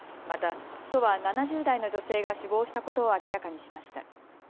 また、都は７０代の女性が死亡したことを明らかにしました。